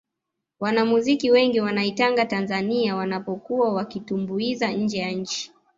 wanamuziki wengi wanaitanga tanzania wanapokuwa wakitumbuiza nje ya nchi